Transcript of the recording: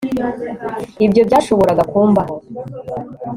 Ibyo byashoboraga kumbaho